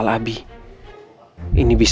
aku mau ke rumah